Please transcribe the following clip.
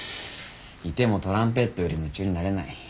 いてもトランペットより夢中になれない。